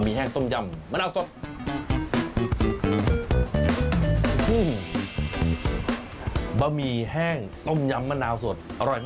มาแล้วครับบะหมี่แห้งต้มยำมะนาวสด